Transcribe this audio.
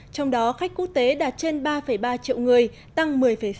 trong đó khách quốc tế đạt trên ba ba triệu người tăng một mươi sáu